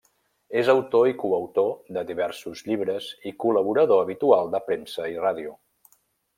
És autor i coautor de diversos llibres i col·laborador habitual de premsa i ràdio.